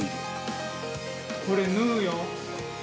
これ、縫うよ。